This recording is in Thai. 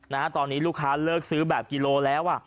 นะฮะตอนนี้ลูกค้าเลิกซื้อแบบกิโลแล้วอ่ะ